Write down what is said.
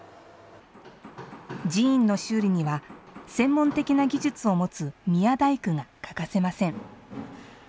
寺院の修理には専門的な技術を持つ宮大工が欠かせません。